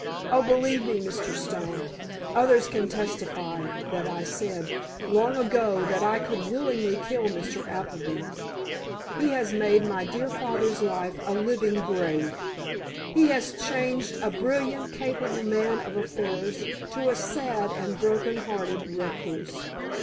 Oh, believe me, Mr. Stone! Others can testify that I said, long ago, that I could willingly kill Mr. Appleby. He has made my dear father's life a living grave! He has changed a brilliant, capable man of affairs to a sad and broken hearted recluse.